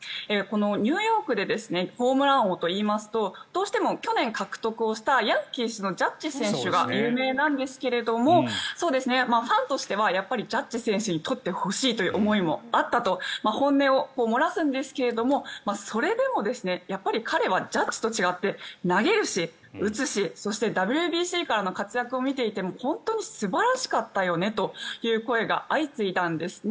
ニューヨークでホームラン王といいますとどうしても去年獲得をしたヤンキースのジャッジ選手が有名なんですけどもファンとしてはやっぱりジャッジ選手に取ってほしいという思いもあったと本音も漏らすんですがそれでも彼はジャッジと違って投げるし打つしそしてＷＢＣからの活躍を見ていても本当に素晴らしかったよねという声が相次いだんですね。